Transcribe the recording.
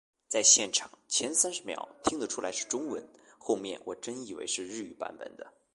在现场，前三十秒听得出来是中文，后面我真以为是日文版本的